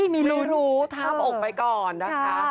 ไม่รู้ทาบอกไปก่อนนะคะ